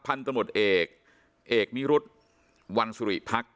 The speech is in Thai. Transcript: พันธนุษย์เอกเอกมิรุฑวันสุริพักษ์